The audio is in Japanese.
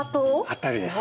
当たりです。